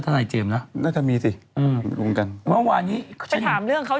ทนายเจมส์หล่อน่ะ